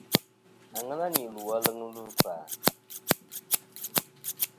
Àŋena nì lù aleŋ ɨlvɨ ikfa.